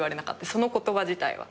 その言葉自体は。